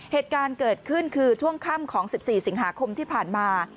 เหตุการณ์เกิดขึ้นคือช่วงค่ำของ๑๔สิงหาคมที่ผ่านมา